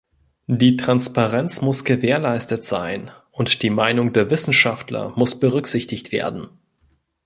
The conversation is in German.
Die Transparenz muss gewährleistet sein, und die Meinung der Wissenschaftler muss berücksichtigt werden.